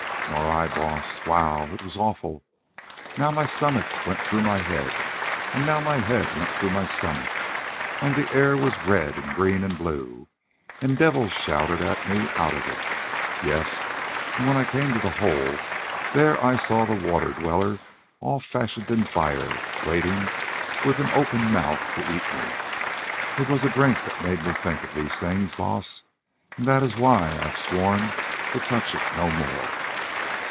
"Nor I, Baas. Wow! it was awful. Now my stomach went through my head, and now my head went through my stomach, and the air was red and green and blue, and devils shouted at me out of it. Yes, and when I came to the hole, there I saw the Water Dweller all fashioned in fire waiting with an open mouth to eat me. It was the drink that made me think of these things, Baas, and that is why I have sworn to touch it no more.